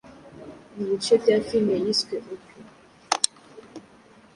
mu bice bya film yiswe ‘O’prah’